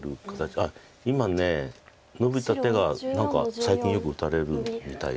あっ今ノビた手が何か最近よく打たれるみたいなんですよね。